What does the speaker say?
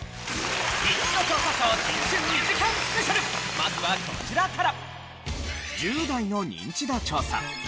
まずはこちらから。